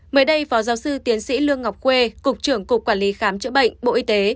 mới đây phó giáo sư tiến sĩ lương ngọc khuê cục trưởng cục quản lý khám chữa bệnh bộ y tế